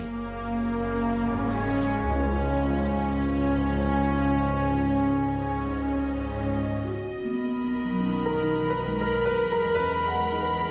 โปรดติดตามตอนต่อไป